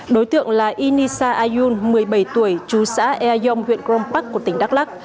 đối tượng là inisa ayun một mươi bảy tuổi chú xã eayong huyện grom park tỉnh đắk lắc